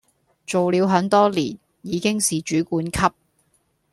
做了很多年，已經是主管級